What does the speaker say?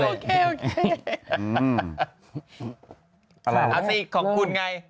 เอาสิของคุณไง